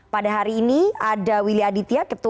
pada hari ini ada willy aditya ketua